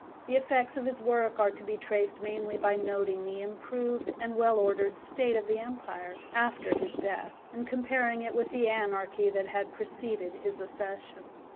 The effects of his work are to be traced mainly by noting the improved and well ordered state of the empire after his death, and comparing it with the anarchy that had preceded his accession.